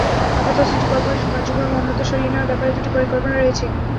আপাতত সিটি করপোরেশনের কার্যক্রম অন্যত্র সরিয়ে নেওয়ার ব্যাপারে দুটি পরিকল্পনা রয়েছে।